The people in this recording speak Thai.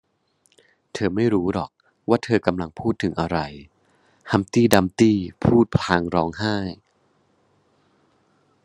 เธอไม่รู้หรอกว่าเธอกำลังพูดถึงอะไร ฮัมพ์ตี้ดัมพ์ตี้พูดพลางร้องไห้